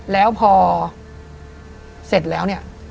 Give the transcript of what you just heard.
แล้วพอเสร็จแล้ว